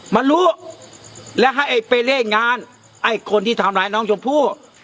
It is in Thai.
มารู้และให้ไปเล่นงานไอ้คนที่ทำร้ายน้องชมพู่